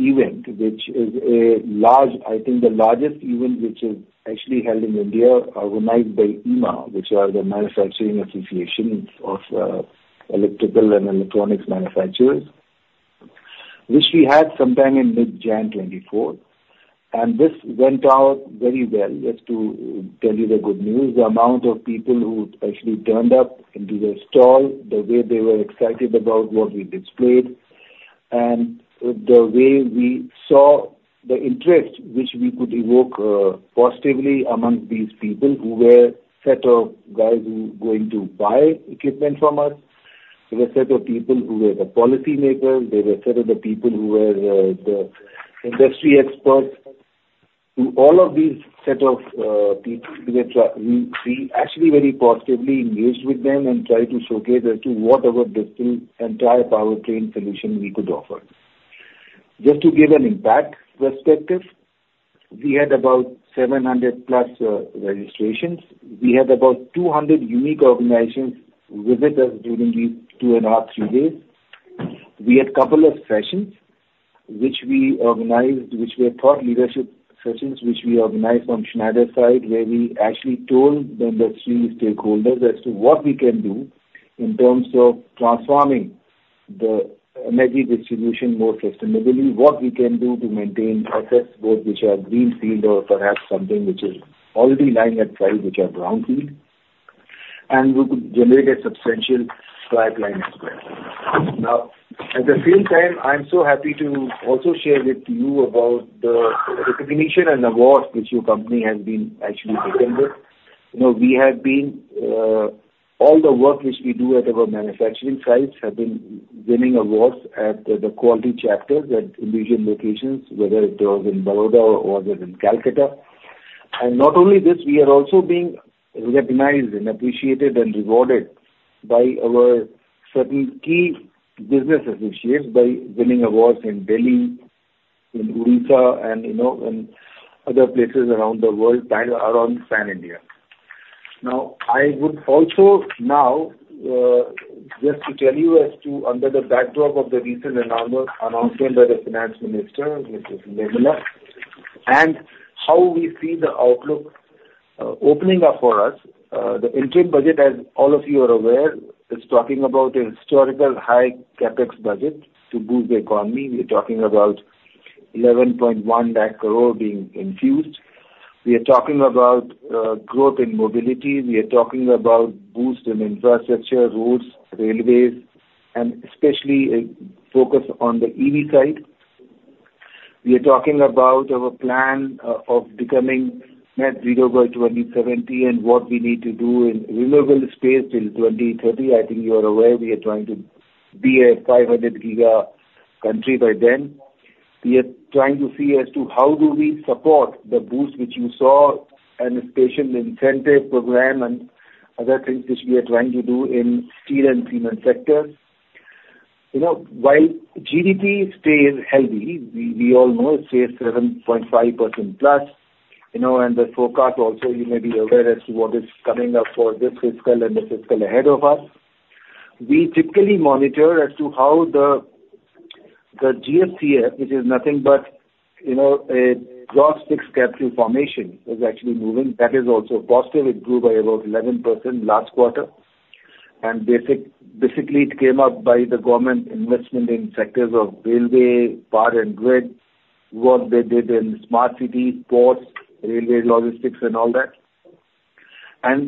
Event which is a large, I think the largest, event which is actually held in India, organized by IEEMA, which are the Manufacturing Association of Electrical & Electronics Manufacturers, which we had sometime in mid-January 2024. This went out very well, just to tell you the good news. The amount of people who actually turned up into the stall, the way they were excited about what we displayed, and the way we saw the interest which we could evoke positively amongst these people who were a set of guys who were going to buy equipment from us. There were a set of people who were the policymakers. There were a set of the people who were the industry experts. To all of these set of people, we actually very positively engaged with them and tried to showcase as to whatever this entire powertrain solution we could offer. Just to give an impact perspective, we had about 700+ registrations. We had about 200 unique organizations visit us during these two and a half to three days. We had a couple of sessions which we organized, which were thought leadership sessions which we organized on Schneider's side, where we actually told the industry stakeholders as to what we can do in terms of transforming the energy distribution more sustainably, what we can do to maintain assets both which are greenfield or perhaps something which is already lying at size, which are brownfield, and we could generate a substantial pipeline as well. Now, at the same time, I'm so happy to also share with you about the recognition and awards which your company has been actually taken with. We have been all the work which we do at our manufacturing sites have been winning awards in the quality categories at Indian locations, whether it was in Baroda or was it in Calcutta. And not only this, we are also being recognized and appreciated and rewarded by our certain key business associates by winning awards in Delhi, in Odisha, and in other places around the world around Pan-India. Now, I would also now just to tell you as to under the backdrop of the recent announcement by the finance minister, which is Nirmala, and how we see the outlook opening up for us. The interim budget, as all of you are aware, is talking about a historical high CapEx budget to boost the economy. We're talking about 1,110,000 crore being infused. We are talking about growth in mobility. We are talking about boost in infrastructure, roads, railways, and especially a focus on the EV side. We are talking about our plan of becoming net zero by 2070 and what we need to do in renewable space till 2030. I think you are aware. We are trying to be a 500-giga country by then. We are trying to see as to how do we support the boost which you saw and a special incentive program and other things which we are trying to do in steel and cement sectors. While GDP stays healthy, we all know it stays 7.5%+. And the forecast also, you may be aware as to what is coming up for this fiscal and the fiscal ahead of us. We typically monitor as to how the GFCF, which is nothing but a gross fixed capital formation, is actually moving. That is also positive. It grew by about 11% last quarter. Basically, it came up by the government investment in sectors of railway, power and grid, what they did in smart cities, ports, railway logistics, and all that.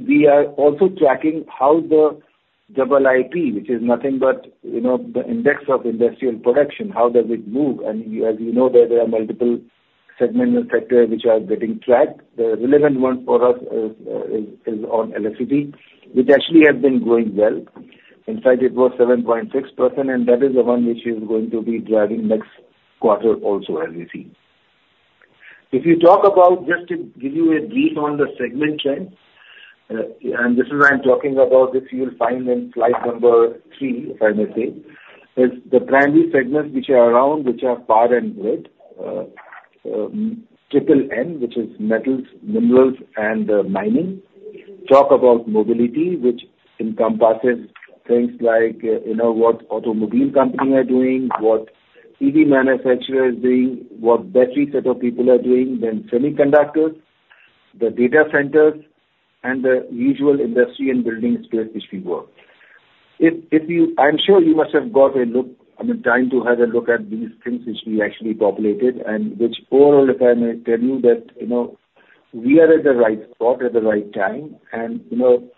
We are also tracking how the IIP, which is nothing but the index of industrial production, how does it move. As you know, there are multiple segments in sector which are getting tracked. The relevant one for us is on LSCP, which actually has been going well. In fact, it was 7.6%, and that is the one which is going to be driving next quarter also, as we see. If you talk about just to give you a brief on the segment trend, and this is what I'm talking about, this you'll find in slide number three, if I may say, is the primary segments which are around, which are power and grid, MMM, which is metals, minerals, and mining. Talk about mobility, which encompasses things like what automobile companies are doing, what EV manufacturers are doing, what battery set of people are doing, then semiconductors, the data centers, and the usual industry and building space which we work. I'm sure you must have got a look I mean, time to have a look at these things which we actually populated and which overall, if I may tell you, that we are at the right spot at the right time, and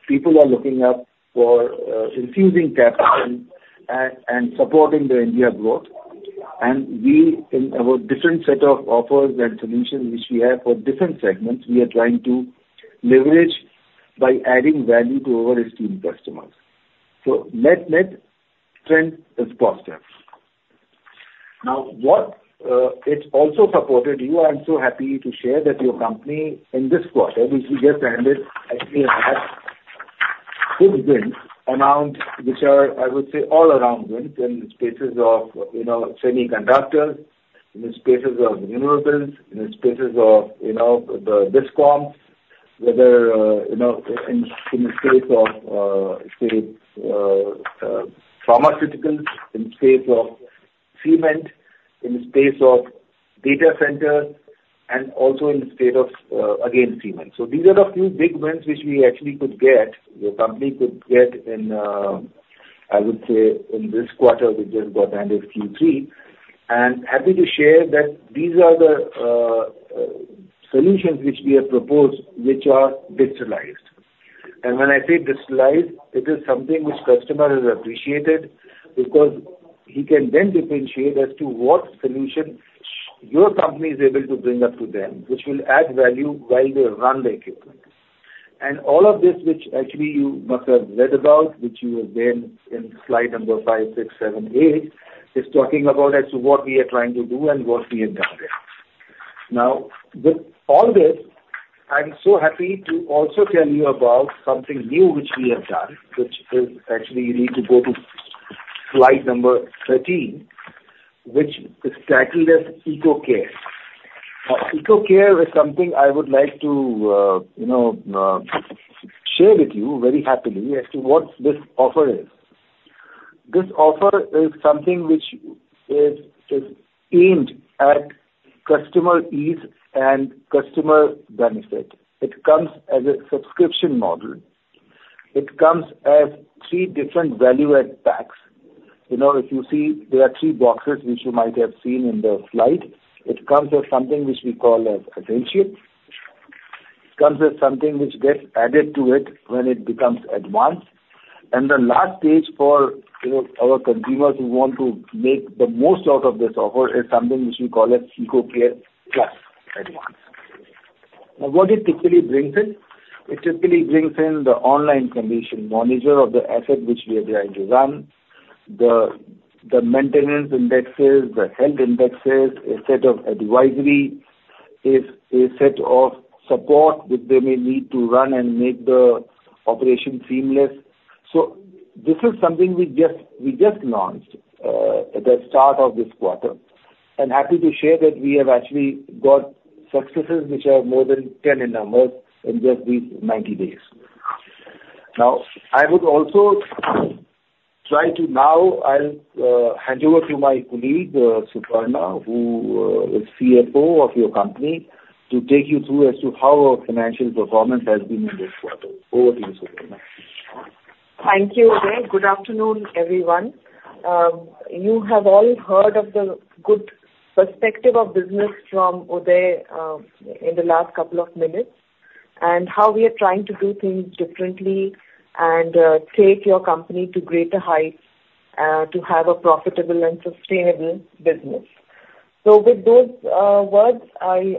people are looking up for infusing capital and supporting the India growth. We, in our different set of offers and solutions which we have for different segments, are trying to leverage by adding value to our esteemed customers. Net trend is positive. Now, what it also supported you, I'm so happy to share that your company in this quarter, which we just ended, actually had good wins around which are, I would say, all-around wins in the spaces of semiconductors, in the spaces of renewables, in the spaces of the DISCOMs, whether in the space of, say, pharmaceuticals, in the space of cement, in the space of data centers, and also in the space of, again, cement. These are a few big wins which we actually could get your company could get in, I would say, in this quarter. We just got end of Q3. Happy to share that these are the solutions which we have proposed which are digitalized. When I say digitalized, it is something which customers have appreciated because he can then differentiate as to what solution your company is able to bring up to them which will add value while they run the equipment. All of this which actually you must have read about, which you were then in slide number five, six, seven, eight is talking about as to what we are trying to do and what we have done there. Now, with all this, I'm so happy to also tell you about something new which we have done, which is actually you need to go to slide number 13, which is titled as EcoCare. Now, EcoCare is something I would like to share with you very happily as to what this offer is. This offer is something which is aimed at customer ease and customer benefit. It comes as a subscription model. It comes as three different value-add packs. If you see, there are three boxes which you might have seen in the slide. It comes as something which we call as Essentials. It comes as something which gets added to it when it becomes Advanced. The last stage for our consumers who want to make the most out of this offer is something which we call as EcoCare Plus Advance. Now, what it typically brings in? It typically brings in the online condition monitor of the asset which we are trying to run, the maintenance indexes, the health indexes, a set of advisory, a set of support which they may need to run and make the operation seamless. So this is something we just launched at the start of this quarter. Happy to share that we have actually got successes which are more than 10 in numbers in just these 90 days. Now, I'll hand over to my colleague, Suparna, who is CFO of your company, to take you through as to how our financial performance has been in this quarter. Over to you, Suparna. Thank you, Udai. Good afternoon, everyone. You have all heard of the good perspective of business from Udai in the last couple of minutes and how we are trying to do things differently and take your company to greater heights to have a profitable and sustainable business. With those words, I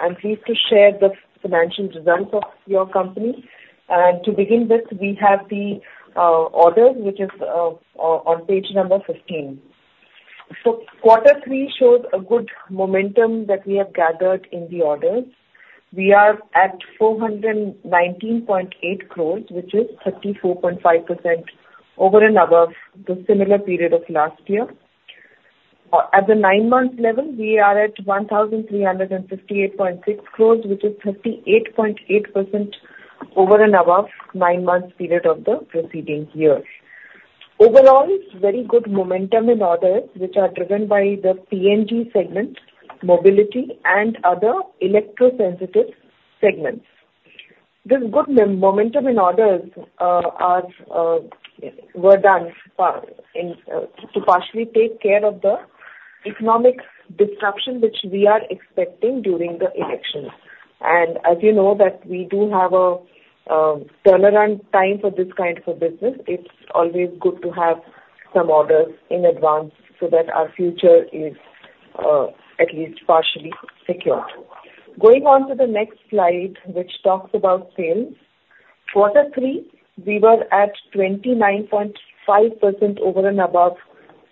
am pleased to share the financial results of your company. To begin with, we have the orders which is on page 15. Quarter three shows a good momentum that we have gathered in the orders. We are at 419.8 crore, which is 34.5% over and above the similar period of last year. At the nine-month level, we are at 1,358.6 crore, which is 38.8% over and above nine-month period of the preceding year. Overall, very good momentum in orders which are driven by the P&G segment, mobility, and other electro-sensitive segments. This good momentum in orders were done to partially take care of the economic disruption which we are expecting during the elections. As you know that we do have a turnaround time for this kind of a business, it's always good to have some orders in advance so that our future is at least partially secured. Going on to the next slide which talks about sales. Quarter three, we were at 29.5% over and above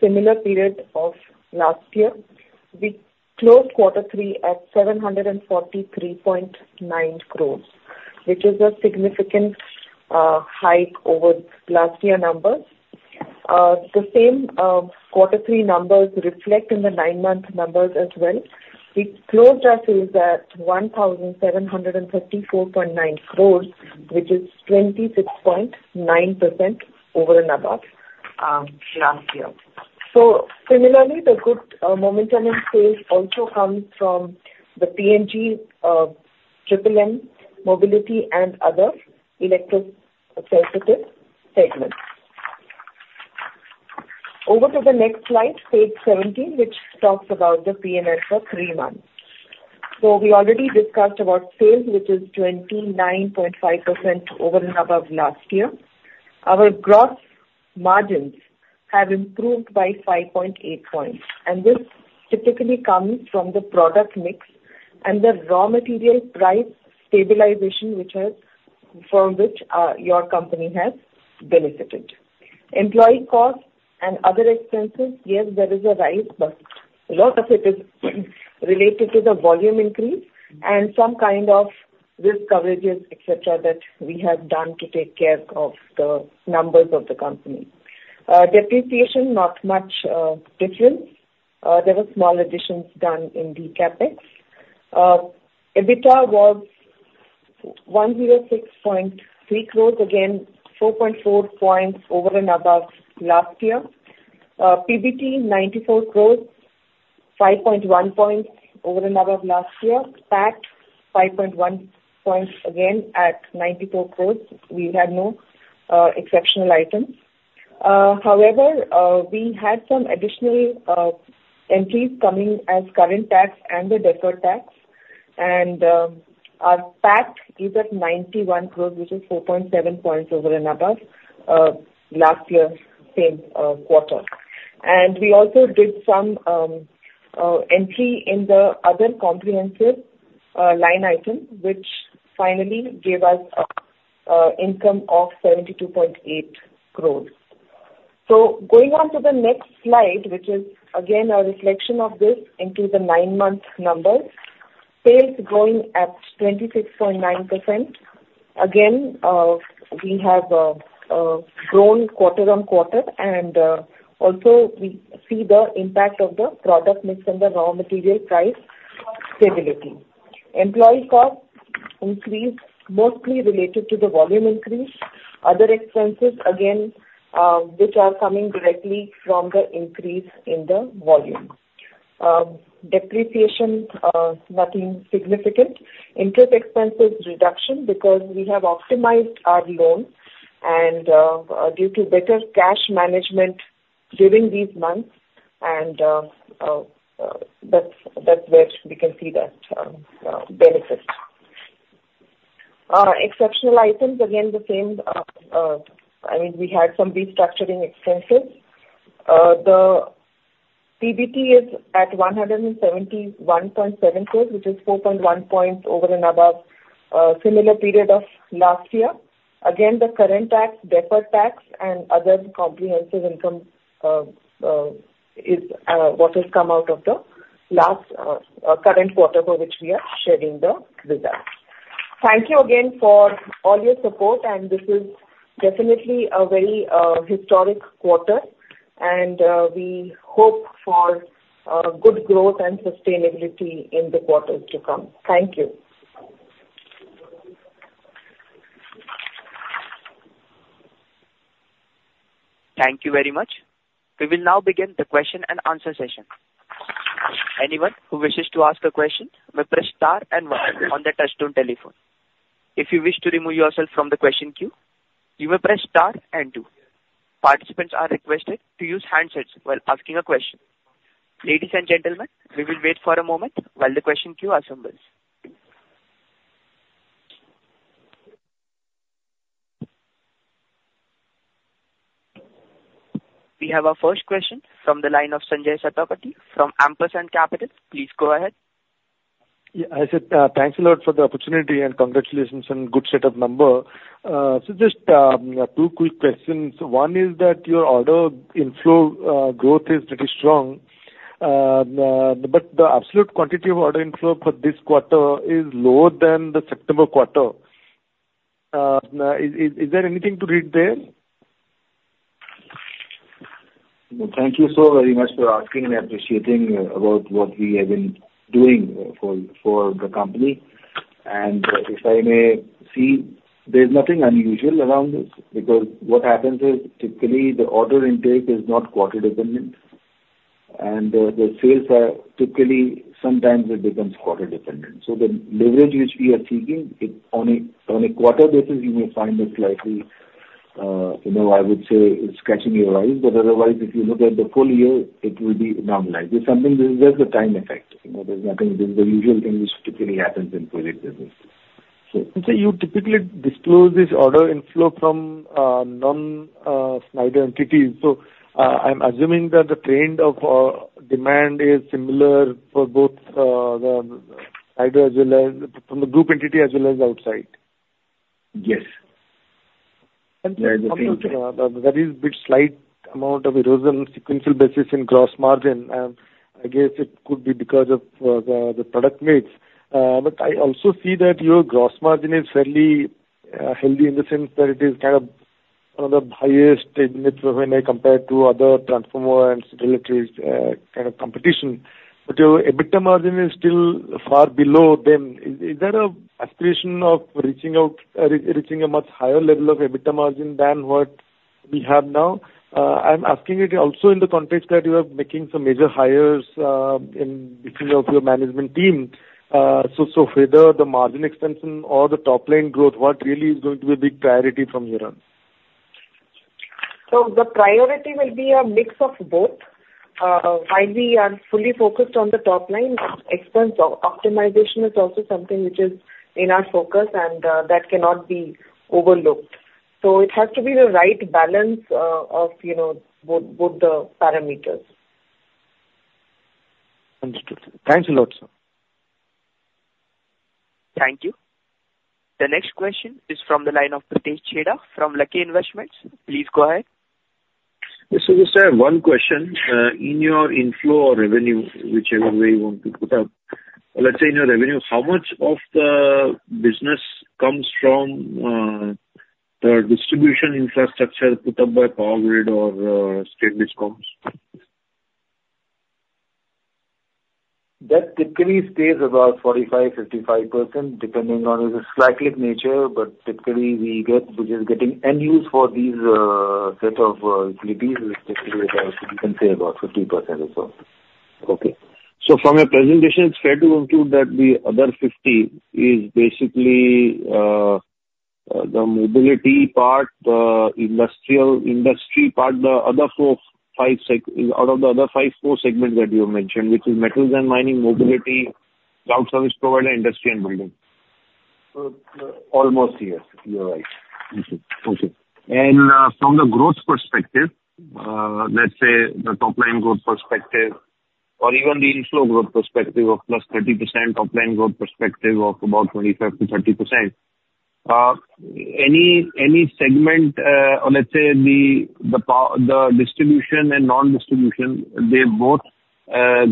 similar period of last year. We closed quarter three at 743.9 crore, which is a significant hike over last year numbers. The same quarter three numbers reflect in the nine-month numbers as well. We closed our sales at 1,734.9 crore, which is 26.9% over and above last year. Similarly, the good momentum in sales also comes from the P&G, MMM, mobility, and other electro-sensitive segments. Over to the next slide, page 17, which talks about the P&L for three months. So we already discussed about sales, which is 29.5% over and above last year. Our gross margins have improved by 5.8 points. And this typically comes from the product mix and the raw material price stabilization from which your company has benefited. Employee costs and other expenses, yes, there is a rise, but a lot of it is related to the volume increase and some kind of risk coverages, etc., that we have done to take care of the numbers of the company. Depreciation, not much difference. There were small additions done in the CapEx. EBITDA was 106.3 crore, again, 4.4 points over and above last year. PBT, 94 crore, 5.1 points over and above last year. PAT, 5.1 points again at 94 crore. We had no exceptional items. However, we had some additional entries coming as current tax and the deferred tax. Our PAT is at 91 crore, which is 4.7 points over and above last year, same quarter. We also did some entry in the other comprehensive line item, which finally gave us income of 72.8 crore. Going on to the next slide, which is again a reflection of this into the nine-month numbers, sales growing at 26.9%. Again, we have grown quarter-on-quarter. Also, we see the impact of the product mix and the raw material price stability. Employee costs increased, mostly related to the volume increase. Other expenses, again, which are coming directly from the increase in the volume. Depreciation, nothing significant. Interest expenses reduction because we have optimized our loans. Due to better cash management during these months, and that's where we can see that benefit. Exceptional items, again, the same. I mean, we had some restructuring expenses. The PBT is at 171.7 crores, which is 4.1 points over and above similar period of last year. Again, the current tax, deferred tax, and other comprehensive income is what has come out of the current quarter for which we are sharing the results. Thank you again for all your support. This is definitely a very historic quarter. We hope for good growth and sustainability in the quarters to come. Thank you. Thank you very much. We will now begin the question-and-answer session. Anyone who wishes to ask a question may press star and one on the touchscreen telephone. If you wish to remove yourself from the question queue, you may press star and two. Participants are requested to use handsets while asking a question. Ladies and gentlemen, we will wait for a moment while the question queue assembles. We have our first question from the line of Sanjaya Satapathy from Ampersand Capital. Please go ahead. Yeah. As I said, thanks a lot for the opportunity and congratulations and good set of numbers. Just two quick questions. One is that your order inflow growth is pretty strong, but the absolute quantity of order inflow for this quarter is lower than the September quarter. Is there anything to read there? Thank you so very much for asking and appreciating about what we have been doing for the company. If I may see, there's nothing unusual around this because what happens is typically, the order intake is not quarter-dependent. The sales are typically, sometimes it becomes quarter-dependent. So the leverage which we are seeking, on a quarter basis, you may find it slightly, I would say, scratching your eyes. But otherwise, if you look at the full year, it will be normalized. It's something. This is just a time effect. There's nothing. This is the usual thing which typically happens in project business. So you typically disclose this order inflow from non-Schneider entities. So I'm assuming that the trend of demand is similar for both the Schneider as well as from the group entity as well as outside. Yes. There is a bit slight amount of erosion sequential basis in gross margin. I guess it could be because of the product mix. But I also see that your gross margin is fairly healthy in the sense that it is kind of one of the highest when I compare to other transformer and utilities kind of competition. But your EBITDA margin is still far below them. Is that an aspiration of reaching a much higher level of EBITDA margin than what we have now? I'm asking it also in the context that you are making some major hires in the field of your management team. So whether the margin extension or the top-line growth, what really is going to be a big priority from your end? The priority will be a mix of both. While we are fully focused on the top-line expense, optimization is also something which is in our focus, and that cannot be overlooked. It has to be the right balance of both the parameters. Understood. Thanks a lot, sir. Thank you. The next question is from the line of Pritesh Chheda from Lucky Investments. Please go ahead. Just one question. In your inflow or revenue, whichever way you want to put up, let's say in your revenue, how much of the business comes from the distribution infrastructure put up by PowerGrid or State DISCOMs? That typically stays about 45%-55% depending on its cyclic nature, but typically, which is getting end use for these set of utilities, is typically about you can say about 50% or so. Okay. From your presentation, it's fair to conclude that the other 50 is basically the mobility part, the industrial part, the other four out of the other five segments that you mentioned, which is metals and mining, mobility, cloud service provider, industry, and building. Almost, yes. You're right. Okay. Okay. From the growth perspective, let's say the top-line growth perspective or even the inflow growth perspective of +30%, top-line growth perspective of about 25%-30%, any segment or let's say the distribution and non-distribution, they both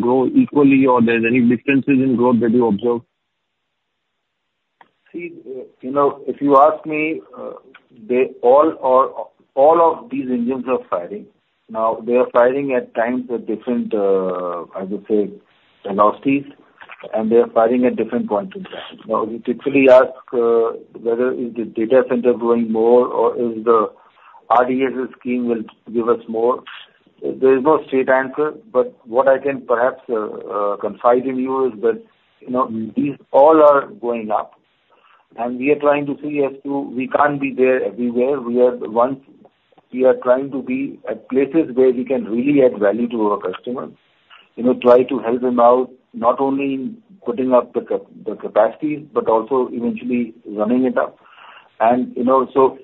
grow equally or there's any differences in growth that you observe? See, if you ask me, all of these engines are firing. Now, they are firing at times at different, I would say, velocities. And they are firing at different points in time. Now, if you typically ask whether is the data center growing more or is the RDSS scheme will give us more, there is no straight answer. But what I can perhaps confide in you is that these all are going up. And we are trying to see as to we can't be there everywhere. Once, we are trying to be at places where we can really add value to our customers, try to help them out not only in putting up the capacities but also eventually running it up. And so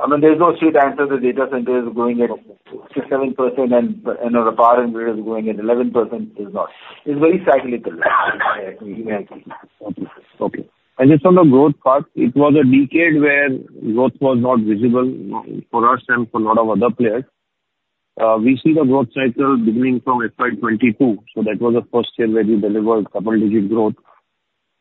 I mean, there's no straight answer. The data center is going at 6%-7%, and RDSS is going at 11%. It's very cyclical. Just on the growth part, it was a decade where growth was not visible for us and for a lot of other players. We see the growth cycle beginning from FY 2022. That was the first year where we delivered double-digit growth.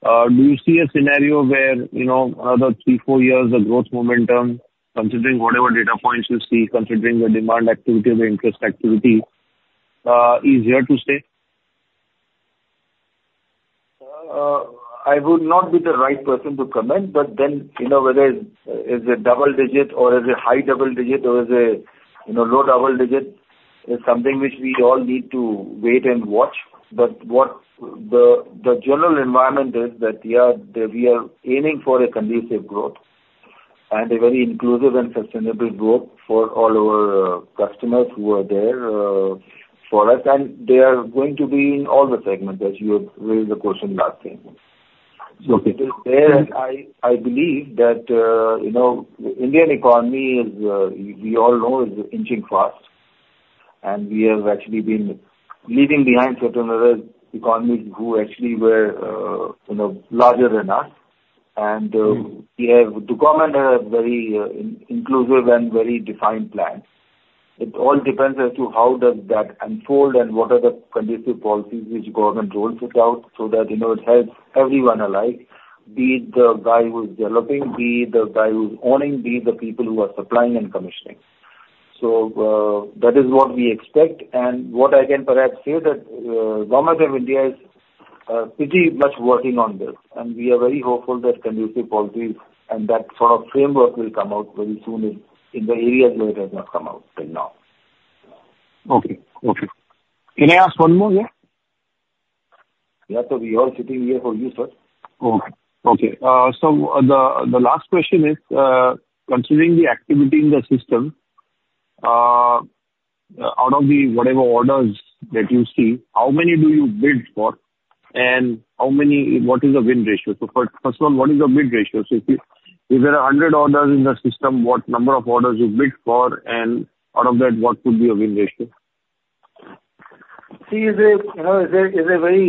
Do you see a scenario where another three, four years, the growth momentum, considering whatever data points you see, considering the demand activity, the interest activity, is here to stay? I would not be the right person to comment, but then whether it's a double digit or is it high double digit or is it low double digit is something which we all need to wait and watch. But what the general environment is that, yeah, we are aiming for a conducive growth and a very inclusive and sustainable growth for all our customers who are there for us. And they are going to be in all the segments, as you raised the question last time. Okay. I believe that the Indian economy, as we all know, is inching fast. We have actually been leaving behind certain other economies who actually were larger than us. The government has a very inclusive and very defined plan. It all depends as to how does that unfold and what are the conducive policies which government rolls it out so that it helps everyone alike, be it the guy who's developing, be it the guy who's owning, be it the people who are supplying and commissioning. That is what we expect. What I can perhaps say is that Government of India is pretty much working on this. We are very hopeful that conducive policies and that sort of framework will come out very soon in the areas where it has not come out till now. Okay. Okay. Can I ask one more? Yeah? Yeah. So we are sitting here for you, sir. Okay. Okay. So the last question is, considering the activity in the system, out of the whatever orders that you see, how many do you bid for? And what is the win ratio? So first of all, what is the bid ratio? So if there are 100 orders in the system, what number of orders do you bid for? And out of that, what would be a win ratio? See, it's a very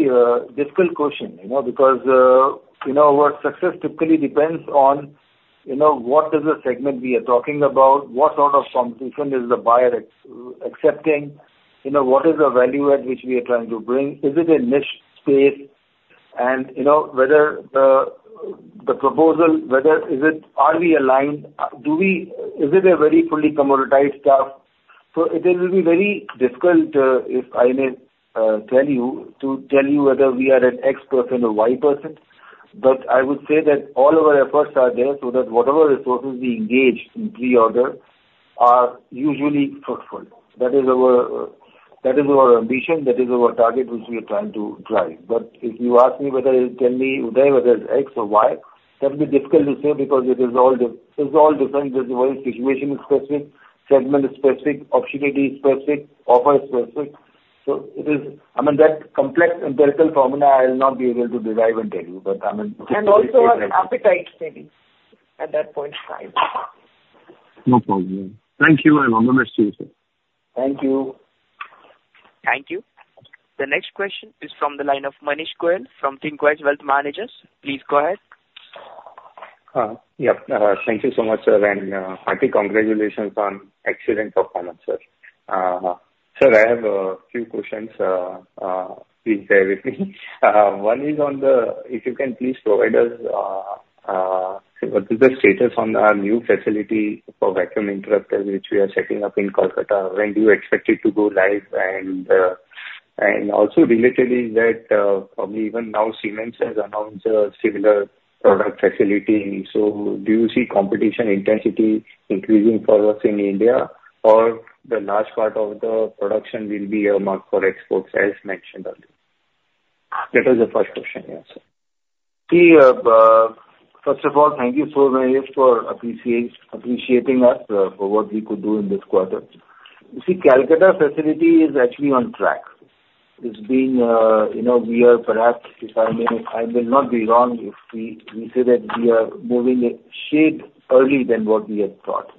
difficult question because our success typically depends on what is the segment we are talking about, what sort of competition is the buyer accepting, what is the value at which we are trying to bring, is it a niche space, and whether the proposal, whether is it are we aligned, is it a very fully commoditized stuff? So it will be very difficult, if I may tell you, to tell you whether we are an X person or Y person. But I would say that all our efforts are there so that whatever resources we engage in pre-order are usually fruitful. That is our ambition. That is our target which we are trying to drive. But if you ask me whether it's tell me whether it's X or Y, that will be difficult to say because it is all different. There's a very situation-specific, segment-specific, opportunity-specific, offer-specific. So I mean, that complex empirical formula, I will not be able to derive and tell you. But I mean, it's very difficult. Also appetite, maybe, at that point in time. No problem. Thank you, and I'll miss you, sir. Thank you. Thank you. The next question is from the line of Manish Goyal from Thinqwise Wealth Managers. Please go ahead. Yep. Thank you so much, sir. Hearty congratulations on excellent performance, sir. Sir, I have a few questions. Please bear with me. One is on the if you can please provide us what is the status on our new facility for vacuum interrupters which we are setting up in Kolkata. When do you expect it to go live? And also related is that probably even now, Siemens has announced a similar product facility. So do you see competition intensity increasing for us in India? Or the large part of the production will be earmarked for exports as mentioned earlier? That was the first question. Yes, sir. See, first of all, thank you so much, sir, for appreciating us for what we could do in this quarter. See, Calcutta facility is actually on track. We are perhaps, if I may, I will not be wrong if we say that we are moving a shade early than what we had thought.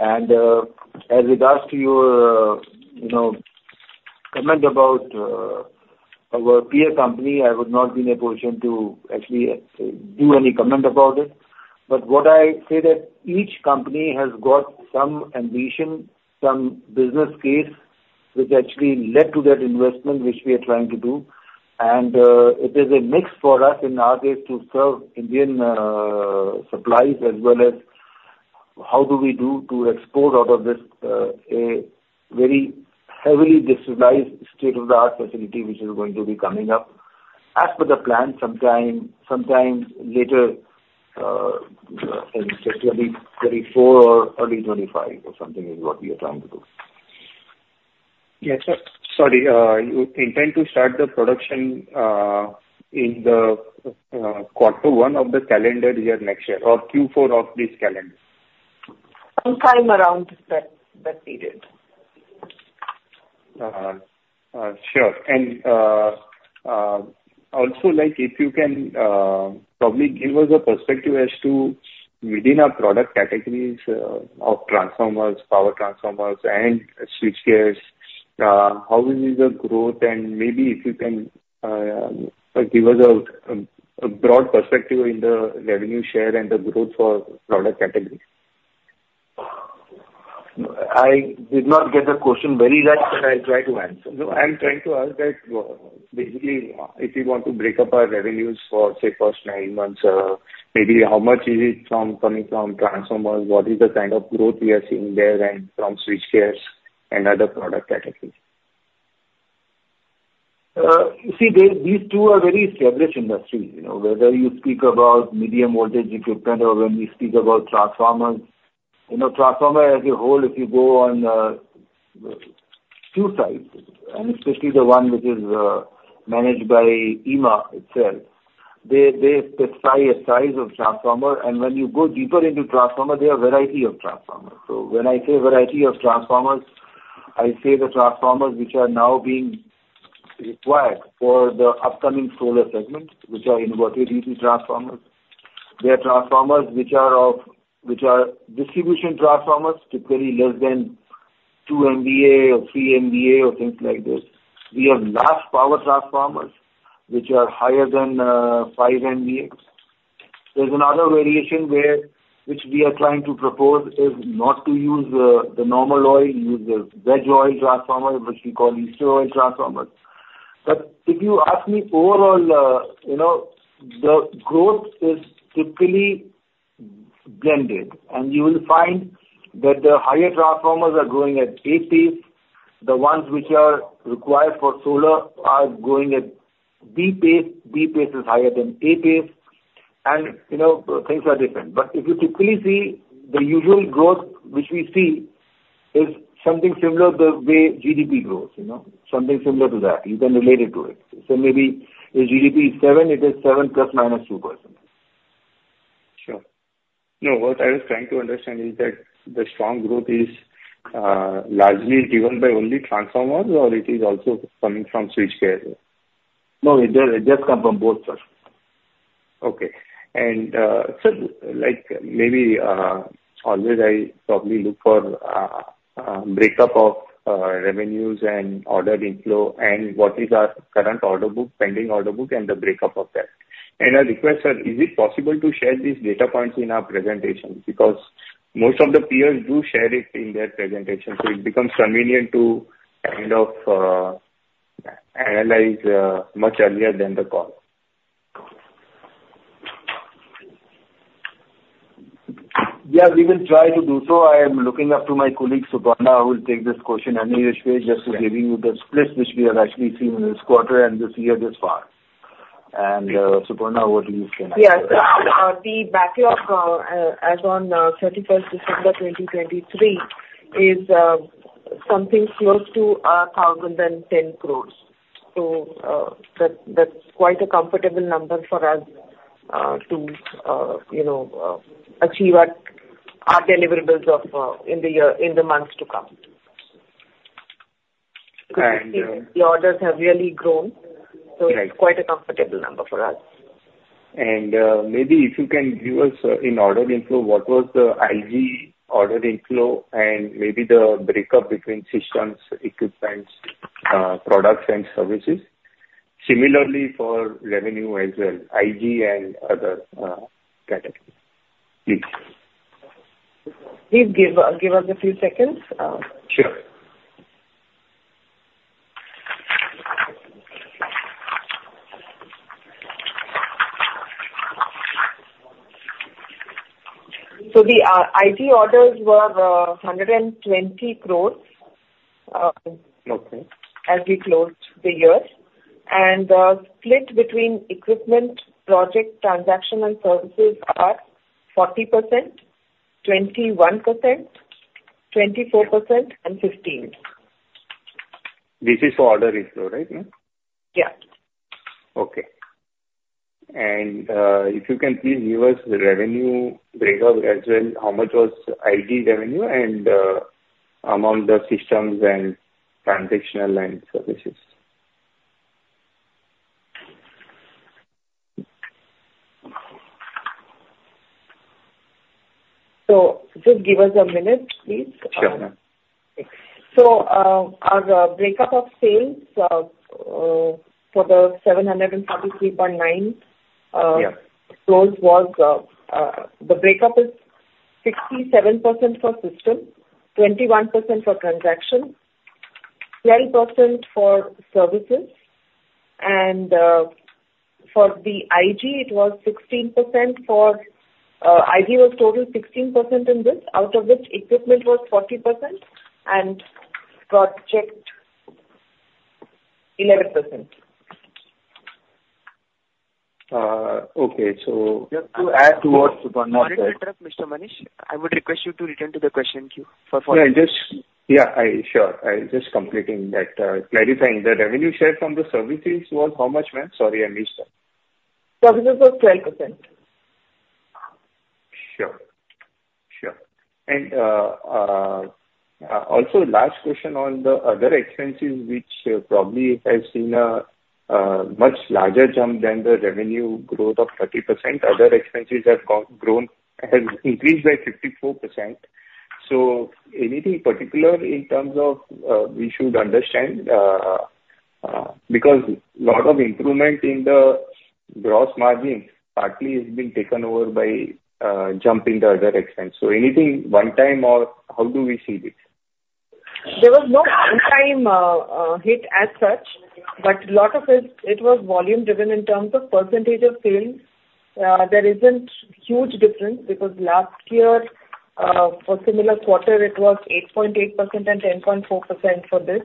And as regards to your comment about our peer company, I would not be in a position to actually do any comment about it. But what I say is that each company has got some ambition, some business case which actually led to that investment which we are trying to do. It is a mix for us in our case to serve Indian supplies as well as how do we do to export out of this, a very heavily digitalized state-of-the-art facility which is going to be coming up as per the plan sometime later in 2024 or early 2025 or something, is what we are trying to do. Yes, sir. Sorry. You intend to start the production in the quarter one of the calendar year next year or Q4 of this calendar? Sometime around that period. Sure. And also, if you can probably give us a perspective as to within our product categories of transformers, power transformers, and switchgears, how is the growth? And maybe if you can give us a broad perspective in the revenue share and the growth for product categories? I did not get the question very right, but I'll try to answer. No, I'm trying to ask that basically, if you want to break up our revenues for, say, first nine months, maybe how much is it coming from transformers? What is the kind of growth we are seeing there and from switchgears and other product categories? See, these two are very established industries. Whether you speak about medium voltage equipment or when we speak about transformers, transformers as a whole, if you go on two sides and especially the one which is managed by IEEMA itself, they specify a size of transformer. And when you go deeper into transformer, there are a variety of transformers. So when I say variety of transformers, I say the transformers which are now being required for the upcoming solar segment which are inverter duty transformers. There are transformers which are distribution transformers, typically less than two MVA or three MVA or things like this. We have large power transformers which are higher than five MVA. There's another variation which we are trying to propose is not to use the normal oil, use the veg oil transformer which we call ester oil transformers. If you ask me overall, the growth is typically blended. You will find that the higher transformers are going at A pace. The ones which are required for solar are going at B pace. B pace is higher than A pace. Things are different. If you typically see the usual growth which we see is something similar to the way GDP grows, something similar to that. You can relate it to it. Maybe if GDP is 7, it is 7 ± 2%. Sure. No, what I was trying to understand is that the strong growth is largely driven by only transformers, or it is also coming from switchgears? No, it does. It just comes from both, sir. Okay. And sir, maybe always, I probably look for a break-up of revenues and order inflow and what is our current order book, pending order book, and the break-up of that. And I request, sir, is it possible to share these data points in our presentation? Because most of the peers do share it in their presentation. So it becomes convenient to kind of analyze much earlier than the call. Yeah, we will try to do so. I am looking up to my colleague, Suparna, who will take this question. He is just giving you the split which we have actually seen this quarter and this year thus far. Suparna, what do you can answer? Yeah. The backlog as on 31st December 2023 is something close to 1,010 crore. So that's quite a comfortable number for us to achieve our deliverables in the months to come. Because the orders have really grown. So it's quite a comfortable number for us. Maybe if you can give us, in order inflow, what was the IG ordered inflow and maybe the break-up between systems, equipment, products, and services, similarly for revenue as well, IG and other categories. Please. Please give us a few seconds. Sure. So the IG orders were 120 crore as we closed the year. The split between equipment, project, transaction, and services are 40%, 21%, 24%, and 15%. This is for order inflow, right? Yeah. Okay. If you can please give us the revenue breakup as well, how much was IG revenue and among the systems, transactional, and services? Just give us a minute, please. Sure, sir. So our breakup of sales for the 743.9 crore was the breakup is 67% for system, 21% for transaction, 12% for services. And for the IG, it was 16% for IG was totaled 16% in this, out of which equipment was 40% and project 11%. Okay. Just to add- Sorry to interrupt, Mr. Manish. I would request you to return to the question queue for follow-up. Yeah. Sure. I'm just completing that clarifying. The revenue share from the services was how much, man? Sorry, I missed that. Services was 12%. Sure. Sure. And also, last question on the other expenses which probably have seen a much larger jump than the revenue growth of 30%, other expenses have increased by 54%. So anything particular in terms of we should understand because a lot of improvement in the gross margin partly has been taken over by jump in the other expense. So anything one-time or how do we see this? There was no one-time hit as such. But a lot of it was volume-driven in terms of percentage of sales. There isn't huge difference because last year, for similar quarter, it was 8.8% and 10.4% for this.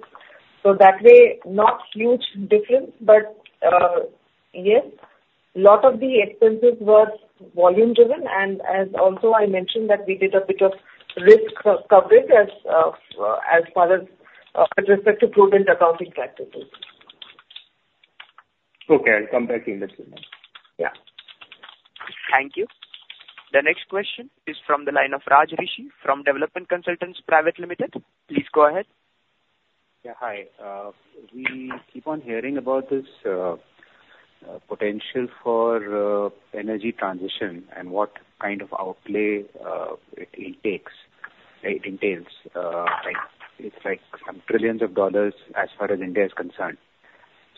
So that way, not huge difference. But yes, a lot of the expenses were volume-driven. And as also I mentioned that we did a bit of risk coverage as far as with respect to prudent accounting practices. Okay. I'll come back in a few minutes. Yeah. Thank you. The next question is from the line of Raj Rishi from Development Consultants Private Limited. Please go ahead. Yeah. Hi. We keep on hearing about this potential for energy transition and what kind of outlay it entails. It's like some trillions of dollars as far as India is concerned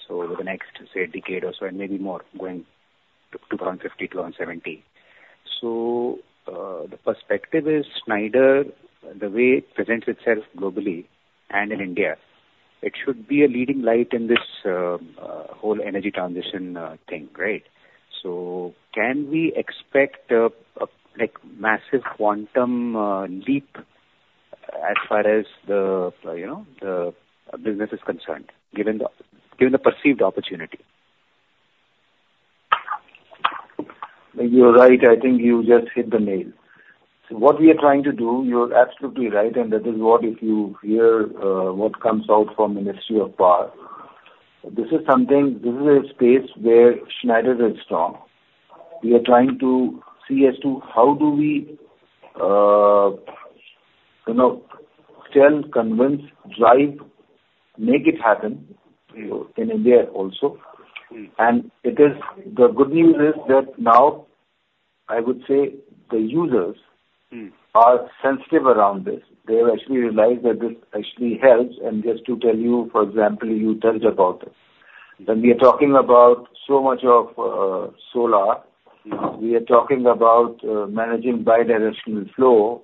over the next, say, decade or so and maybe more going to 2050, 2070. So the perspective is Schneider, the way it presents itself globally and in India, it should be a leading light in this whole energy transition thing, right? So can we expect a massive quantum leap as far as the business is concerned given the perceived opportunity? You're right. I think you just hit the nail. What we are trying to do, you're absolutely right. And that is what if you hear what comes out from Ministry of Power, this is a space where Schneider is strong. We are trying to see as to how do we sell, convince, drive, make it happen in India also. And the good news is that now, I would say, the users are sensitive around this. They have actually realized that this actually helps. And just to tell you, for example, you touched about it. When we are talking about so much of solar, we are talking about managing bidirectional flow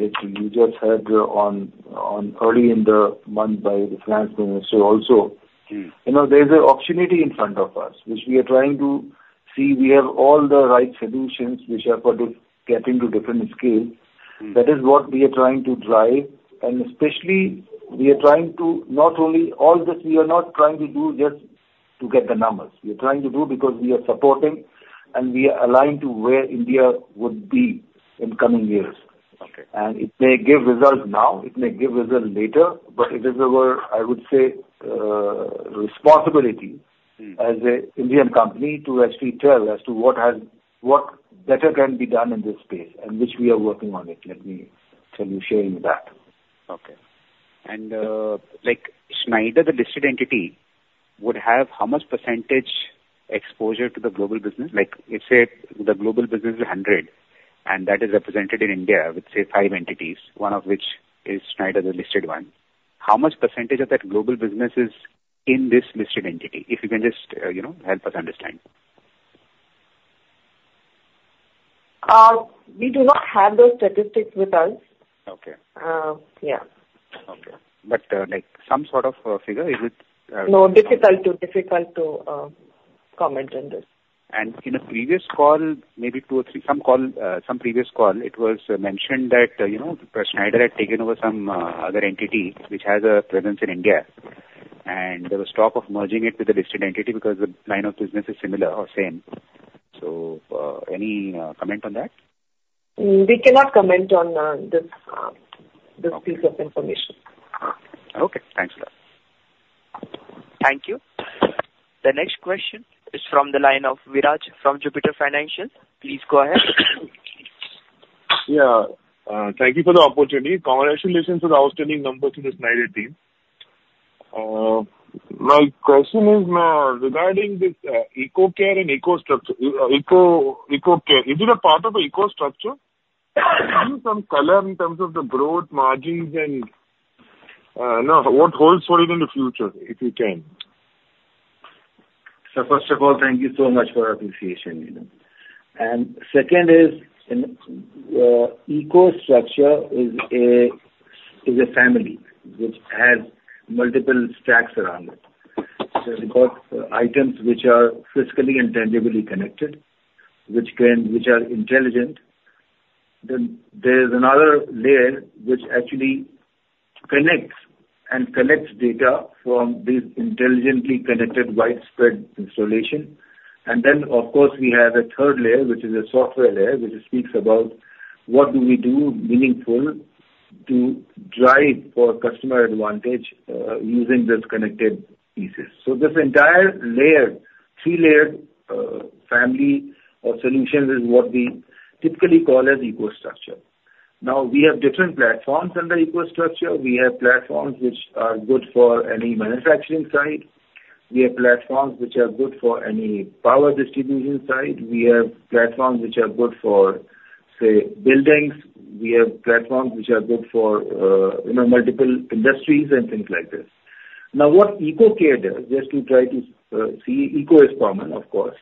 which you just heard early in the month by the French Ministry also. There is an opportunity in front of us which we are trying to see. We have all the right solutions which are for getting to different scales. That is what we are trying to drive. And especially, we are trying to not only all this. We are not trying to do just to get the numbers. We are trying to do because we are supporting and we are aligned to where India would be in coming years. And it may give results now. It may give results later. But it is our, I would say, responsibility as an Indian company to actually tell as to what better can be done in this space and which we are working on it. Let me tell you sharing that. Okay. Schneider, the listed entity, would have how much percentage exposure to the global business? If, say, the global business is 100 and that is represented in India with, say, five entities, one of which is Schneider, the listed one, how much percentage of that global business is in this listed entity if you can just help us understand? We do not have those statistics with us. Yeah. Okay. But some sort of figure, is it? No, difficult to comment on this. In a previous call, maybe two or three, some previous call, it was mentioned that Schneider had taken over some other entity which has a presence in India. There was talk of merging it with the listed entity because the line of business is similar or same. Any comment on that? We cannot comment on this piece of information. Okay. Thanks a lot. Thank you. The next question is from the line of Viraj from Jupiter Financials. Please go ahead. Yeah. Thank you for the opportunity. Congratulations on outstanding numbers to the Schneider team. My question is, man, regarding this EcoCare and EcoStruxure, EcoCare, is it a part of EcoStruxure? Give me some color in terms of the growth margins and what holds for it in the future if you can. So first of all, thank you so much for appreciation. And second is, EcoStruxure is a family which has multiple stacks around it. So it's got items which are physically and tangibly connected which are intelligent. Then there is another layer which actually connects and collects data from this intelligently connected widespread installation. And then, of course, we have a third layer which is a software layer which speaks about what do we do meaningful to drive for customer advantage using this connected pieces. So this entire layer, three-layered family of solutions is what we typically call as EcoStruxure. Now, we have different platforms under EcoStruxure. We have platforms which are good for any manufacturing side. We have platforms which are good for any power distribution side. We have platforms which are good for, say, buildings. We have platforms which are good for multiple industries and things like this. Now, what EcoCare does just to try to see Eco is common, of course.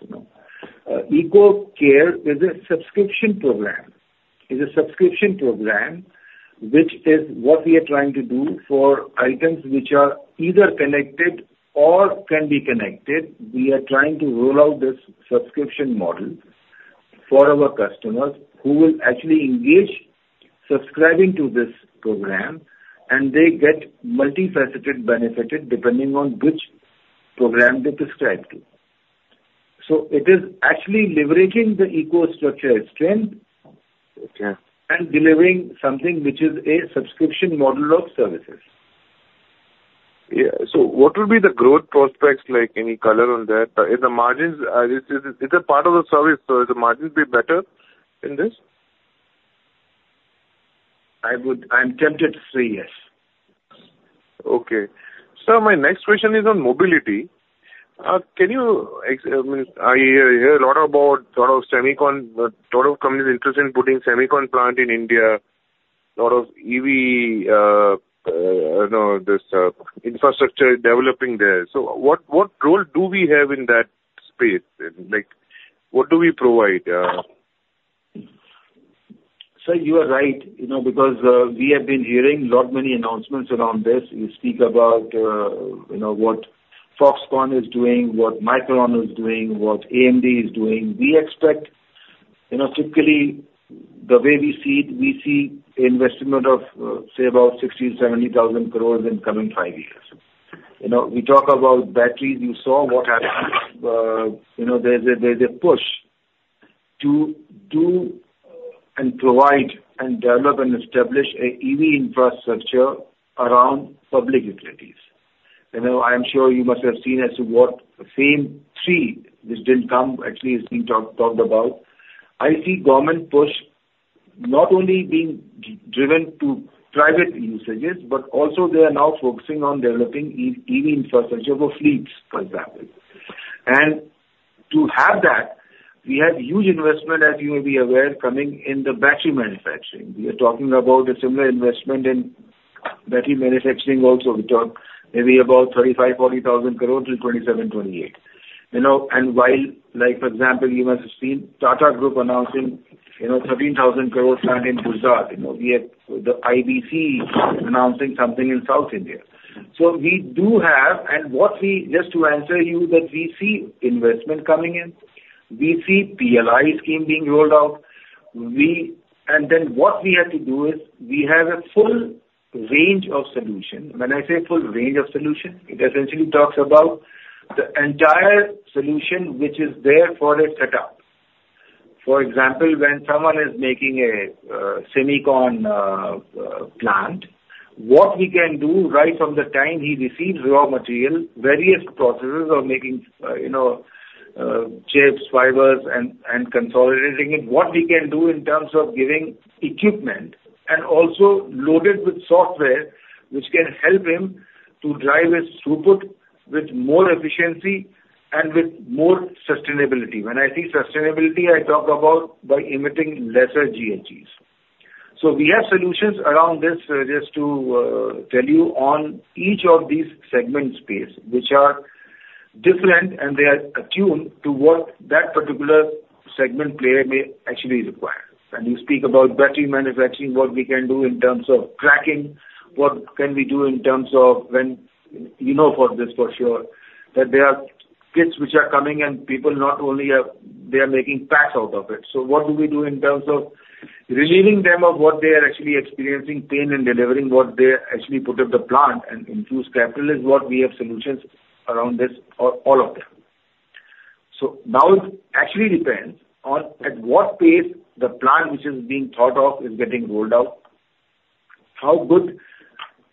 EcoCare is a subscription program. It's a subscription program which is what we are trying to do for items which are either connected or can be connected. We are trying to roll out this subscription model for our customers who will actually engage subscribing to this program, and they get multifaceted, benefited depending on which program they subscribe to. So it is actually liberating the EcoStruxure strength and delivering something which is a subscription model of services. Yeah. So what would be the growth prospects? Any color on that? Is it a part of the service? So is the margin better in this? I'm tempted to say yes. Okay. Sir, my next question is on mobility. Can you? I hear a lot about a lot of semiconductor companies interested in putting semiconductor plant in India, a lot of EV infrastructure developing there. So what role do we have in that space? What do we provide? Sir, you are right because we have been hearing a lot of many announcements around this. You speak about what Foxconn is doing, what Micron is doing, what AMD is doing. Typically, the way we see it, we see investment of, say, about 60,000 crore-70,000 crore in coming five years. We talk about batteries. You saw what happened. There's a push to do and provide and develop and establish an EV infrastructure around public utilities. I am sure you must have seen as to what the same three which didn't come actually is being talked about. I see government push not only being driven to private usages but also they are now focusing on developing EV infrastructure for fleets, for example. And to have that, we have huge investment, as you may be aware, coming in the battery manufacturing. We are talking about a similar investment in battery manufacturing also. We talk maybe about 35,000 crore-40,000 crore till 2027, 2028. While, for example, you must have seen Tata Group announcing 13,000 crore plant in Gujarat. We have the IBC announcing something in South India. So we do have and what we just to answer you that we see investment coming in. We see PLI scheme being rolled out. And then what we have to do is we have a full range of solution. When I say full range of solution, it essentially talks about the entire solution which is there for a setup. For example, when someone is making a semiconductor plant, what we can do right from the time he receives raw material, various processes of making chips, fibers, and consolidating it, what we can do in terms of giving equipment and also loaded with software which can help him to drive his throughput with more efficiency and with more sustainability. When I see sustainability, I talk about by emitting lesser GHGs. So we have solutions around this just to tell you on each of these segment space which are different, and they are attuned to what that particular segment player may actually require. And you speak about battery manufacturing, what we can do in terms of tracking, what can we do in terms of when you know for this for sure that there are kits which are coming, and people not only are they are making packs out of it. So what do we do in terms of relieving them of what they are actually experiencing pain in delivering what they actually put at the plant and infuse capital? Is what we have solutions around this for all of them. So now it actually depends on at what pace the plant which is being thought of is getting rolled out, how good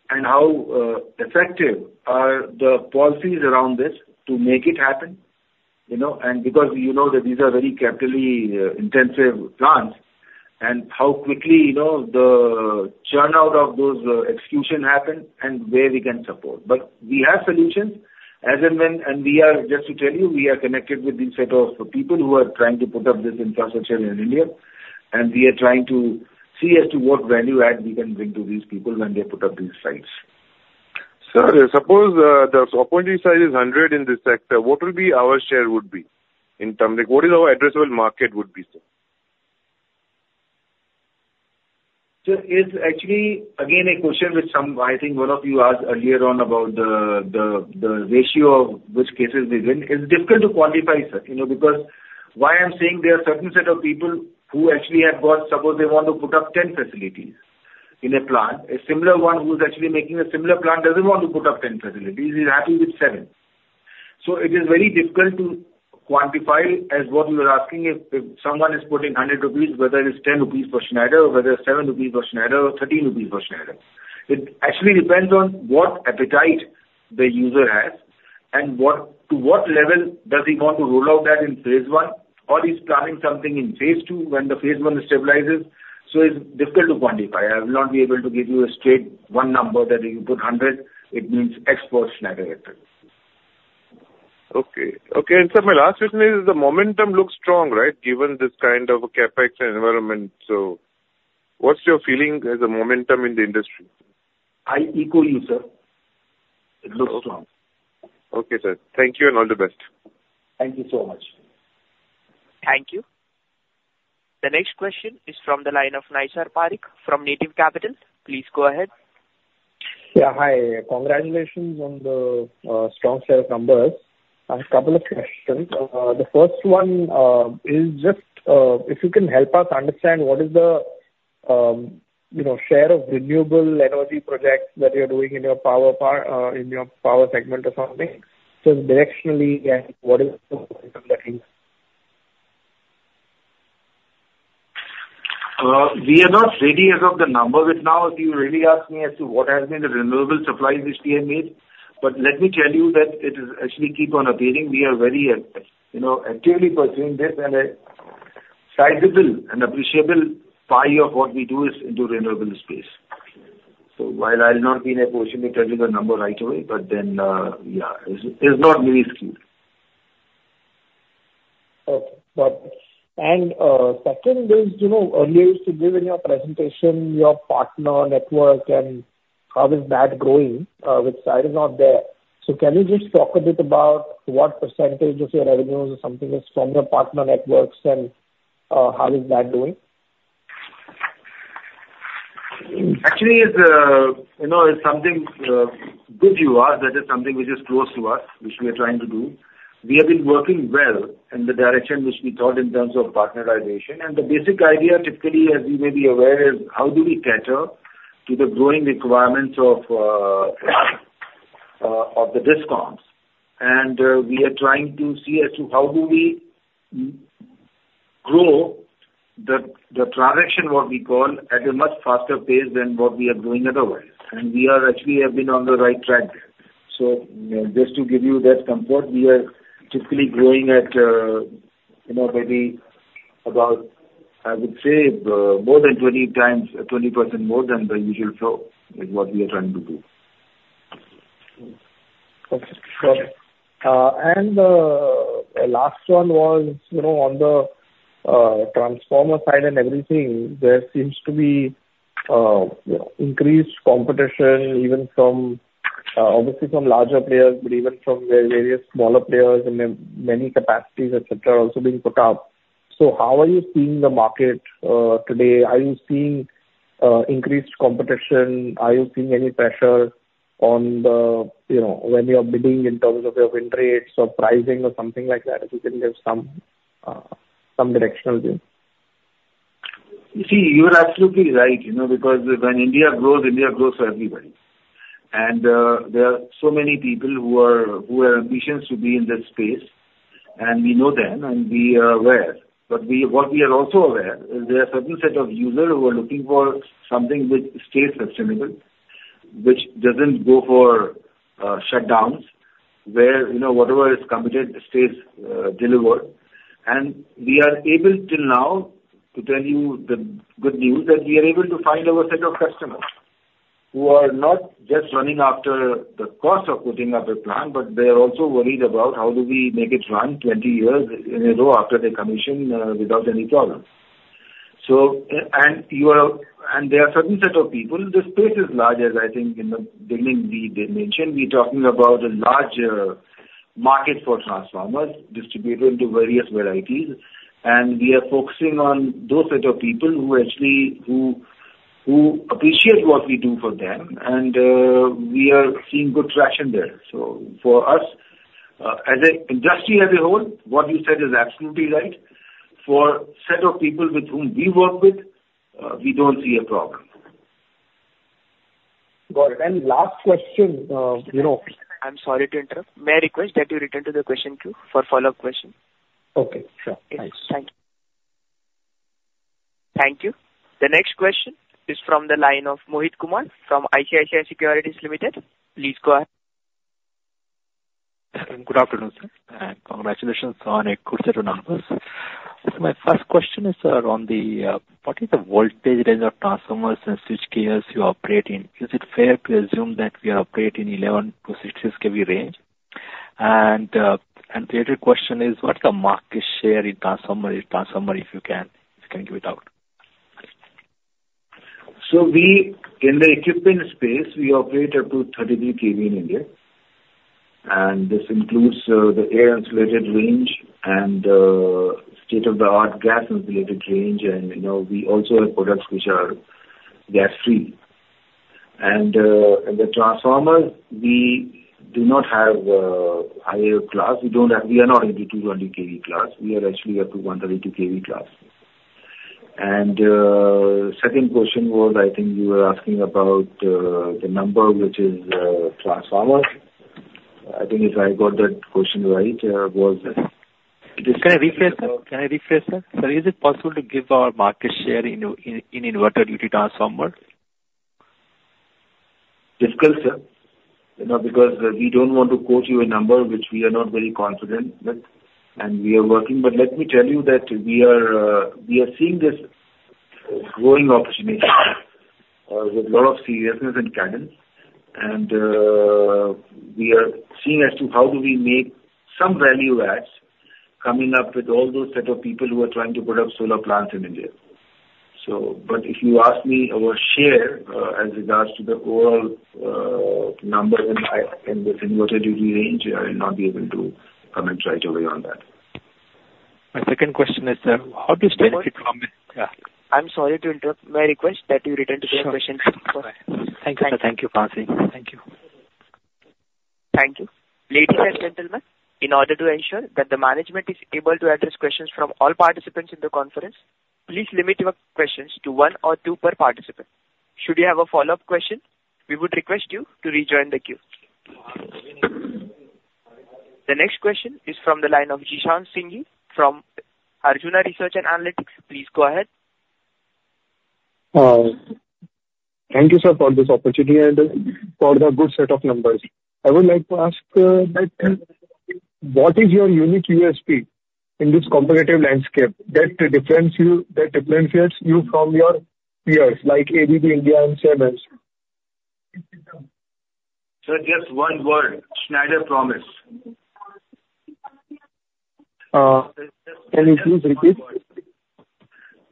and how effective are the policies around this to make it happen. Because you know that these are very capitally intensive plants and how quickly the churn out of those execution happen and where we can support. But we have solutions as and when and just to tell you, we are connected with this set of people who are trying to put up this infrastructure in India. We are trying to see as to what value add we can bring to these people when they put up these sites. Sir, suppose the opportunity size is 100 in this sector, what will be our share would be in terms what is our addressable market would be, sir? So it's actually, again, a question which I think one of you asked earlier on about the ratio of which cases we win. It's difficult to quantify, sir, because why I'm saying there are a certain set of people who actually have got suppose they want to put up 10 facilities in a plant. A similar one who's actually making a similar plant doesn't want to put up 10 facilities. He's happy with seven. So it is very difficult to quantify as what you are asking if someone is putting 100 rupees, whether it's 10 rupees per Schneider or whether it's 7 rupees per Schneider or 13 rupees per Schneider. It actually depends on what appetite the user has and to what level does he want to roll out that in phase one or he's planning something in phase two when the phase one stabilizes. So it's difficult to quantify. I will not be able to give you a straight one number that if you put 100, it means X per Schneider it is. Okay. Okay. Sir, my last question is the momentum looks strong, right, given this kind of a CapEx environment. What's your feeling as a momentum in the industry? I echo you, sir. It looks strong. Okay, sir. Thank you and all the best. Thank you so much. Thank you. The next question is from the line of Naysar Parikh from Native Capital. Please go ahead. Yeah. Hi. Congratulations on the strong set of numbers. I have a couple of questions. The first one is just if you can help us understand what is the share of renewable energy projects that you're doing in your power segment or something just directionally and what is the momentum that you see? We are not ready as of the number right now if you really ask me as to what has been the renewable supplies [HDME]. But let me tell you that it is actually keep on appearing. We are very actively pursuing this, and a sizable and appreciable pie of what we do is into renewable space. So while I'll not be able to tell you the number right away, but then yeah, it's not minuscule. Okay. Got it. Second is earlier you said you have in your presentation your partner network and how is that growing, which, sir, is not there. So can you just talk a bit about what percentage of your revenues or something is from your partner networks and how is that going? Actually, it's something good you asked. That is something which is close to us which we are trying to do. We have been working well in the direction which we thought in terms of partnerization. The basic idea typically, as you may be aware, is how do we cater to the growing requirements of the DISCOMs? And we are trying to see as to how do we grow the transmission what we call at a much faster pace than what we are doing otherwise. And we actually have been on the right track there. So just to give you that comfort, we are typically growing at maybe about, I would say, more than 20 times 20% more than the usual flow is what we are trying to do. Okay. Got it. And the last one was on the transformer side and everything, there seems to be increased competition even from obviously, from larger players, but even from various smaller players in many capacities, etc., also being put up. So how are you seeing the market today? Are you seeing increased competition? Are you seeing any pressure when you are bidding in terms of your win rates or pricing or something like that? If you can give some directional view? You see, you are absolutely right because when India grows, India grows for everybody. There are so many people who are ambitious to be in this space, and we know them and we are aware. But what we are also aware is there are a certain set of users who are looking for something which stays sustainable, which doesn't go for shutdowns where whatever is committed stays delivered. We are able till now to tell you the good news that we are able to find our set of customers who are not just running after the cost of putting up a plant, but they are also worried about how do we make it run 20 years in a row after they commission without any problem. There are a certain set of people this space is large as I think in the beginning we mentioned. We're talking about a large market for transformers distributed into various varieties. We are focusing on those set of people who actually appreciate what we do for them, and we are seeing good traction there. For us as an industry as a whole, what you said is absolutely right. For a set of people with whom we work with, we don't see a problem. Got it. And last question. I'm sorry to interrupt. May I request that you return to the question queue for follow-up questions? Okay. Sure. Thanks. Thank you. Thank you. The next question is from the line of Mohit Kumar from ICICI Securities Limited. Please go ahead. Good afternoon, sir. Congratulations on a good set of numbers. My first question is around what is the voltage range of transformers and switchgears you operate in? Is it fair to assume that we are operating in 11 kV-66 kV range? The other question is what's the market share in transformer if you can give it out? So in the equipment space, we operate up to 33 kV in India. And this includes the air-insulated range and state-of-the-art gas-insulated range. And we also have products which are gas-free. And in the transformer, we do not have higher class. We are not into 220 kV class. We are actually up to 132 kV class. And second question was I think you were asking about the number which is transformer. I think if I got that question right, was. Can I rephrase that? Can I rephrase that? Sir, is it possible to give our market share in Inverter Duty Transformer? Difficult, sir, because we don't want to quote you a number which we are not very confident with. And we are working. But let me tell you that we are seeing this growing opportunity with a lot of seriousness and cadence. And we are seeing as to how do we make some value adds coming up with all those set of people who are trying to put up solar plants in India. But if you ask me our share as regards to the overall numbers in this inverter duty range, I will not be able to comment right away on that. My second question is how do you stay from. Mohit, I'm sorry to interrupt. May I request that you return to the question? Sure. Thank you, sir. Thank you. Ladies and gentlemen, in order to ensure that the management is able to address questions from all participants in the conference, please limit your questions to one or two per participant. Should you have a follow-up question, we would request you to rejoin the queue. The next question is from the line of Jishan Singhi from Krijuna Research and Analytics. Please go ahead. Thank you, sir, for this opportunity and for the good set of numbers. I would like to ask what is your unique USP in this competitive landscape that differentiates you from your peers like ABB India and Siemens? Sir, just one word: Schneider promise. Can you please repeat?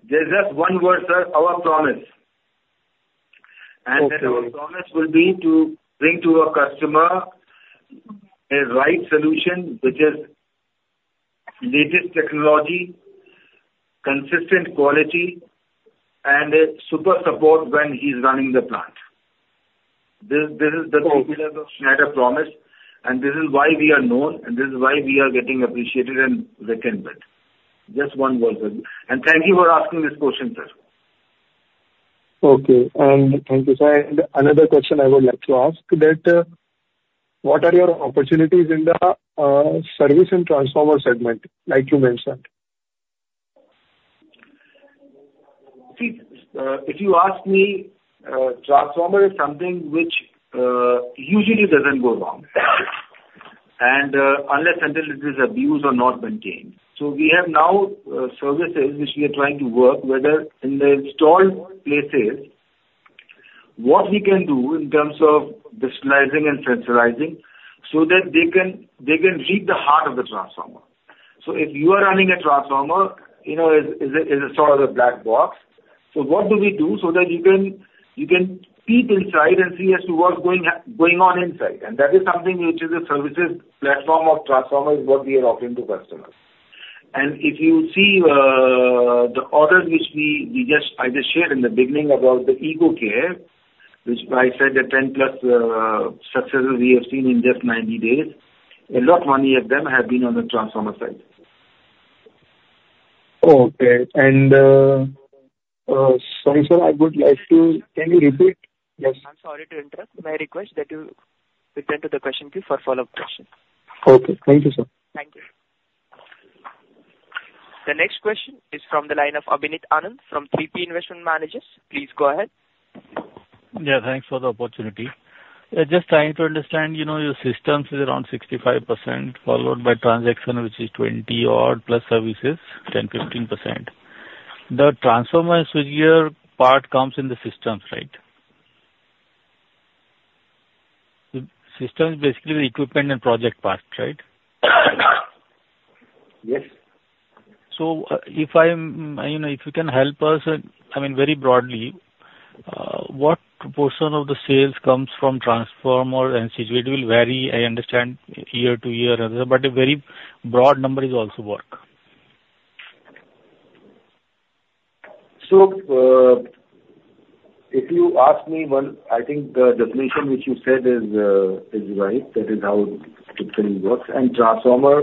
There's just one word, sir: our promise. Then our promise will be to bring to a customer a right solution which is latest technology, consistent quality, and super support when he's running the plant. This is the key pillar of Schneider promise. And this is why we are known, and this is why we are getting appreciated and reckoned with. Just one word, sir. And thank you for asking this question, sir. Okay. Thank you, sir. Another question I would like to ask that what are your opportunities in the service and transformer segment like you mentioned? See, if you ask me, transformer is something which usually doesn't go wrong unless and until it is abused or not maintained. So we have now services which we are trying to work whether in the installed places, what we can do in terms of visualizing and sensorizing so that they can read the heart of the transformer. So if you are running a transformer, it's sort of a black box. So what do we do so that you can peek inside and see as to what's going on inside? And that is something which is a services platform of transformer is what we are offering to customers. And if you see the orders which I just shared in the beginning about the EcoCare, which I said that 10+ successes we have seen in just 90 days, a lot of many of them have been on the transformer side. Okay. Sorry, sir, I would like to can you repeat? Yes. I'm sorry to interrupt. May I request that you return to the question queue for follow-up questions? Okay. Thank you, sir. Thank you. The next question is from the line of Abhineet Anand from 3P Investment Managers. Please go ahead. Yeah. Thanks for the opportunity. Just trying to understand, your systems is around 65% followed by transaction which is 20-odd+ services, 10%-15%. The transformer and switchgear part comes in the systems, right? Systems basically the equipment and project part, right? Yes. So if you can help us, I mean, very broadly, what portion of the sales comes from transformer and switchgear? It will vary, I understand, year to year. But a very broad number is also work. So if you ask me one, I think the definition which you said is right. That is how it typically works. And transformer,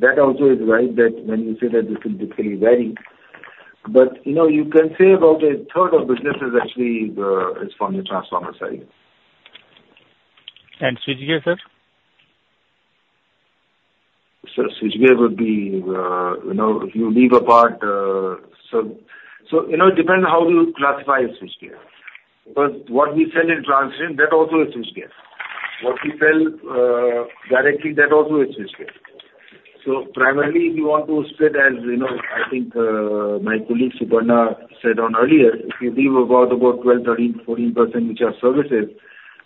that also is right that when you say that this will typically vary. But you can say about a third of businesses actually is from the transformer side. Switchgear, sir? So switchgear would be if you leave apart so it depends how you classify a switchgear. Because what we sell in [transit], that also is switchgear. What we sell directly, that also is switchgear. So primarily, if you want to split as I think my colleague Suparna said earlier, if you leave about 12%, 13%, 14% which are services,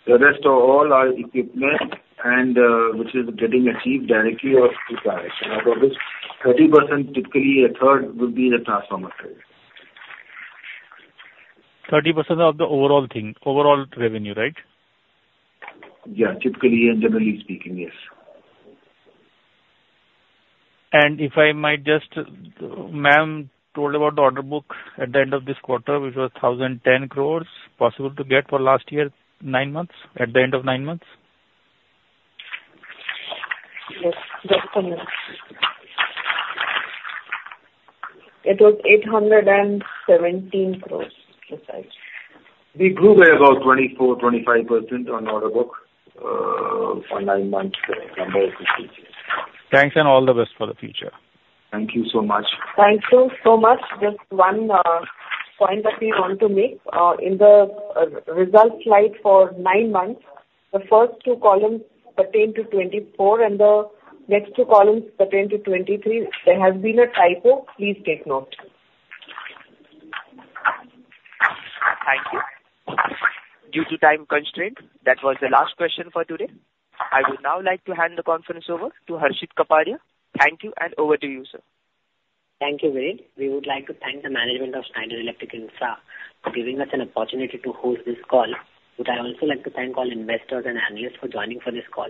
the rest of all are equipment which is getting achieved directly or through transaction. Out of this, 30% typically, a third would be the transformer side. 30% of the overall thing, overall revenue, right? Yeah. Typically and generally speaking, yes. If I might just, ma'am, to tell about the order book at the end of this quarter which was 1,010 crore, possible to get for last year, nine months, at the end of nine months? Yes. It was 817 crore precisely. We grew by about 24%-25% on order book for nine months. The number is 66. Thanks, and all the best for the future. Thank you so much. Thank you so much. Just one point that we want to make. In the result slide for nine months, the first two columns pertain to 2024, and the next two columns pertain to 2023. There has been a typo. Please take note. Thank you. Due to time constraints, that was the last question for today. I would now like to hand the conference over to Harshit Kapadia. Thank you, and over to you, sir. Thank you, everyone. We would like to thank the management of Schneider Electric Infra for giving us an opportunity to host this call. We would also like to thank all investors and analysts for joining for this call.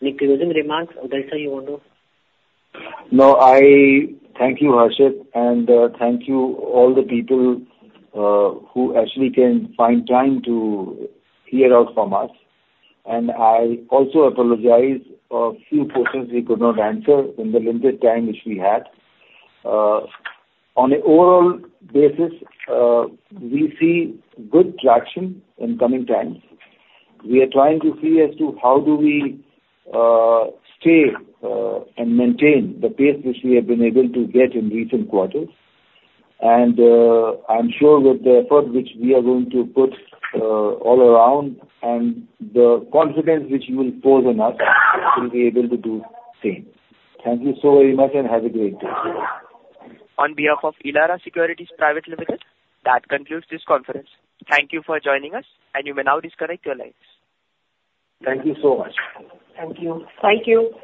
Any closing remarks? Otherwise, sir, you want to? No, thank you, Harshit. Thank you all the people who actually can find time to hear out from us. I also apologize for a few questions we could not answer in the limited time which we had. On an overall basis, we see good traction in coming times. We are trying to see as to how do we stay and maintain the pace which we have been able to get in recent quarters. I'm sure with the effort which we are going to put all around and the confidence which you will pose on us, we'll be able to do the same. Thank you so very much and have a great day. On behalf of Elara Securities Private Limited, that concludes this conference. Thank you for joining us, and you may now disconnect your lines. Thank you so much. Thank you.